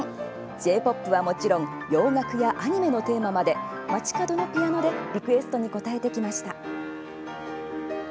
Ｊ−ＰＯＰはもちろん洋楽やアニメのテーマまで街角のピアノでリクエストに応えてきました。